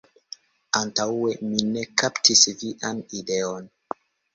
Antaŭe mi ne kaptis vian ideon.